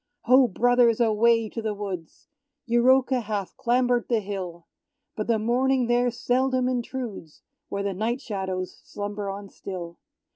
Ho, brothers, away to the woods; Euroka hath clambered the hill; But the morning there seldom intrudes, Where the night shadows slumber on still.